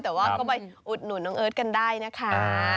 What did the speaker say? แต่ว่าก้นุ่นเอิิชกันได้นะค่ะ